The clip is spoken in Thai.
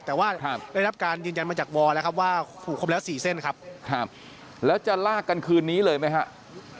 แต่ว่าได้รับการยืนยันมาจากวอลแล้วครับว่าผูกครบแล้ว๔เส้นครับแล้วจะลากกันคืนนี้เลยไหมครับ